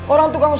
orang tukang somai